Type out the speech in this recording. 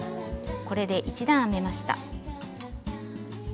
これで１段編めました。